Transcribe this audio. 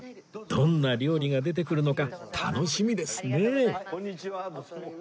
どんな料理が出てくるのか楽しみですね